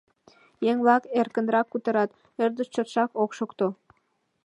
Еҥ-влак эркынрак кутырат, ӧрдыш чотшак ок шокто.